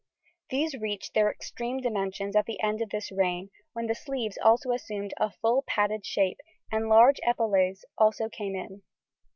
These reached their extreme dimensions at the end of this reign, when the sleeves also assumed a full padded shape and large epaulets also came in.